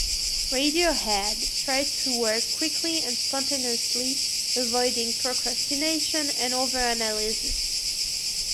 Radiohead tried to work quickly and spontaneously, avoiding procrastination and over-analysis.